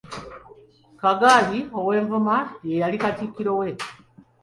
Kagali ow'Envuma ye yali Katikkiro we.